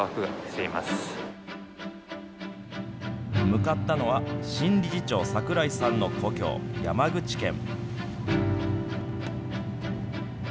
向かったのは、新理事長、桜井さんの故郷、山口県。